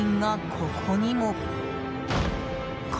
ここにも。